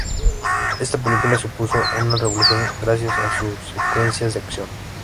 Esta película supuso una revolución gracias a sus secuencias de acción.